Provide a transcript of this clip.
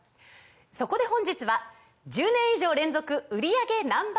そこで本日は１０年以上連続売り上げＮｏ．１